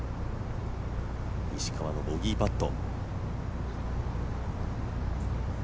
石川のボギーパット。